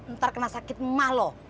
ntar kena sakit emah lo